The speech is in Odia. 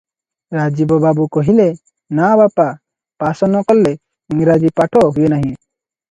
ରାଜୀବ ବାବୁ କହିଲେ, "ନା ବାପା, ପାସ ନ କଲେ ଇଂରାଜୀ ପାଠ ହୁଏ ନାହିଁ ।"